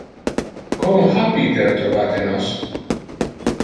Como ha Peter trovate nos?